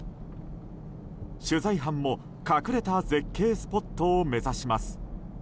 取材班も、隠れた絶景スポットを目指します。